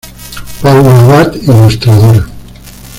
Paula Abad, ilustradora.